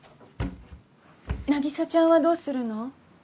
凪沙ちゃんはどうするの？